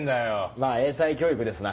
まぁ英才教育ですな。